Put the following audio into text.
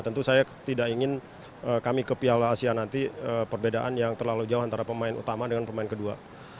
tentu saya tidak ingin kami ke piala asia nanti perbedaan yang terlalu jauh antara pemain utama dengan pemain kedua